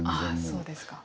そうですか。